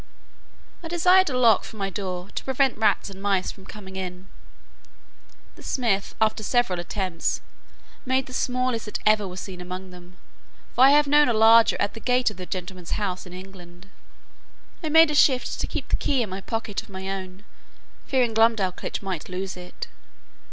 I desired a lock for my door, to prevent rats and mice from coming in. The smith, after several attempts, made the smallest that ever was seen among them, for I have known a larger at the gate of a gentleman's house in England. I made a shift to keep the key in a pocket of my own, fearing Glumdalclitch might lose it.